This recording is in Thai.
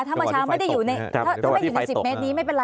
ถ้าเมื่อเช้าไม่ได้ถ้าไม่อยู่ใน๑๐เมตรนี้ไม่เป็นไร